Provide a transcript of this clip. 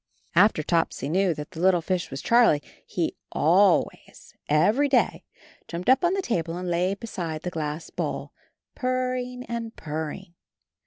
After Topsy knew that the little fish was Charlie, he always, every day, jumped up on the table and lay beside the glass bowl, purring and purring.